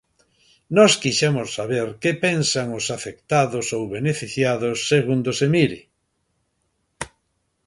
Nós quixemos saber que pensan os afectados ou beneficiados, segundo se mire.